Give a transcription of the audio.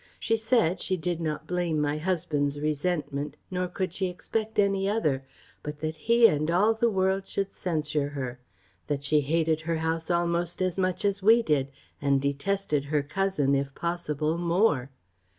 She said, she did not blame my husband's resentment, nor could she expect any other, but that he and all the world should censure her that she hated her house almost as much as we did, and detested her cousin, if possible, more.